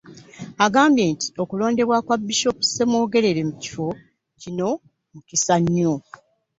Agambye nti okulondebwa kwa Bisoopu Ssemwogerere mu kifo kino mukisa nnyo.